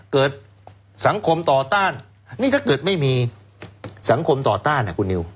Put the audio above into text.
เกิดสังคมต่อต้านนี่ถ้าเกิดไม่มีสังคมต่อต้านอ่ะคุณนิว